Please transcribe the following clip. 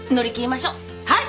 はい！